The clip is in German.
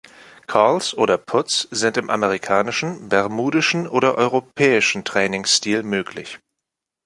Calls oder Puts sind im Amerikanischen, Bermudischen oder Euroäpischen Trainingsstil möglich.